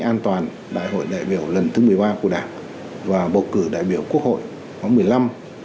an toàn đại hội đại biểu lần thứ một mươi ba của đảng và bầu cử đại biểu quốc hội năm hai nghìn một mươi năm